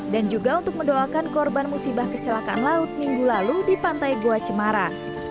dan juga untuk mendoakan korban musibah kecelakaan laut minggu lalu di pantai goa cemara